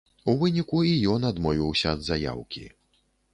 У выніку, і ён адмовіўся ад заяўкі.